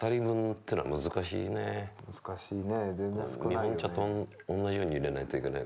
日本茶と同じようにいれないといけない。